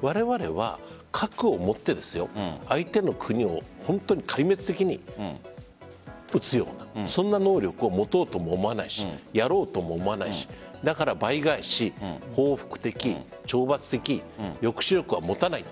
われわれは核を持って相手の国を壊滅的に打つようなそんな能力を持とうとも思わないしやろうとも思わないしだから倍返し、報復的懲罰的、抑止力は持たない。